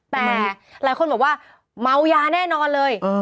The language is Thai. แต่หลายคนบอกว่าเมายาแน่นอนเลย